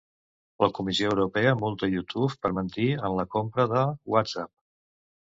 La Comissió Europea multa YouTube per mentir en la compra de WhatsApp.